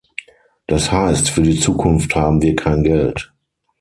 Das heißt, für die Zukunft haben wir kein Geld.